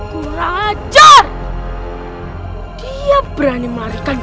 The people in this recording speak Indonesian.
bahwa ketiga pelompong dengan dua yang